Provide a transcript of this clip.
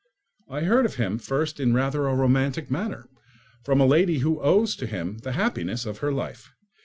I heard of him first in rather a romantic manner, from a lady who owes to him the happiness of her life.